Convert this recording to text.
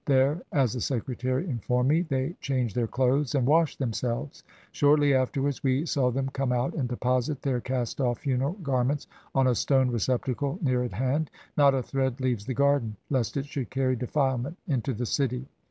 There, as the Secretary informed me, they changed their clothes and washed themselves. Shortly afterwards we saw them come out and deposit their cast off funeral gar ments on a stone receptacle near at hand. Not a thread leaves the garden, lest it should carry defilement into the city.